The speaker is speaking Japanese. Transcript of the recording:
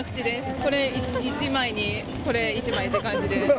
これ１枚に、これ１枚って感じで。